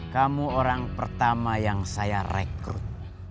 kamu orang pertama yang saya rekrut